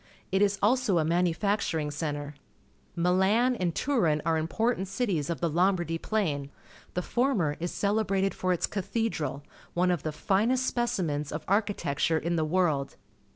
It is also a manufactuiing centre. j\ Iilan and ^^urin are important cities of the L omba rd^' Plain. The former is celebrated Foi its "Cathedral, one of the fine.st specimens of A Panoramic View of Rome, Italy arcliitecture in the world.